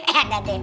eh ada deh